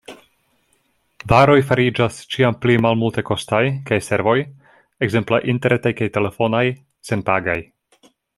Varoj fariĝas ĉiam pli malmultekostaj, kaj servoj – ekzemple interretaj kaj telefonaj – senpagaj.